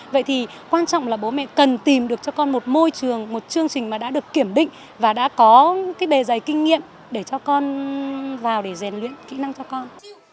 vậy thì quan trọng là bố mẹ cần tìm được cho con một môi trường một chương trình mà đã được kiểm định và đã có cái bề dày kinh nghiệm để cho con vào để rèn luyện kỹ năng cho con